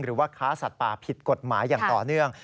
หรือว่าค้าสัตว์ป่าผิดกฎหมายอย่างต่อเนื่อง